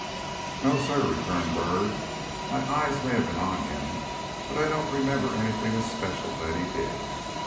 "No, sir," returned Byrd; "my eyes may have been on him, but I don't remember any thing especial that he did."